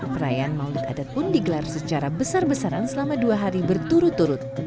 perayaan maulid adat pun digelar secara besar besaran selama dua hari berturut turut